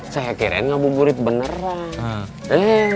saya kirain ngabuburit beneran